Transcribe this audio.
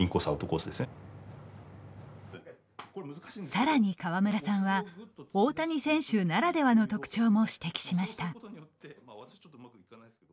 さらに川村さんは大谷選手ならではの特徴も指摘しました。